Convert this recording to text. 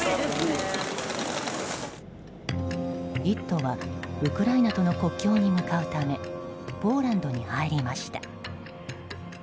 「イット！」はウクライナとの国境に向かうためポーランドに入りました。